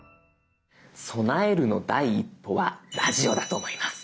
備えるの第一歩はラジオだと思います。